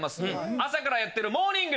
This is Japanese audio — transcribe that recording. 朝からやってるモーニング！